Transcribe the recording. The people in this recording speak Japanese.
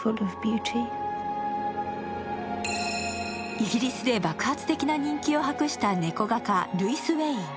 イギリスで爆発的な人気を博した猫画家ルイス・ウェイン。